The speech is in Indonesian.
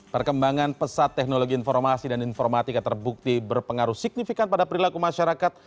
perkembangan pesat teknologi informasi dan informatika terbukti berpengaruh signifikan pada perilaku masyarakat